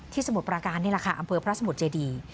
สมุทรประการนี่แหละค่ะอำเภอพระสมุทรเจดี